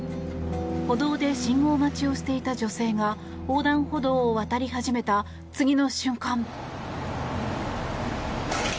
歩道で信号待ちをしていた女性が横断歩道を渡り始めた次の瞬間。